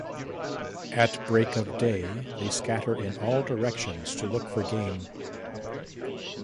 At break of day, they scatter in all directions to look for game.